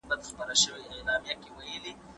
که موږ کتاب ولولو نو هېواد به مو پرمختګ وکړي.